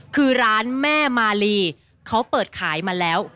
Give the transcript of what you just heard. คือร้านแม่มาลีเขาเปิดขายมาแล้ว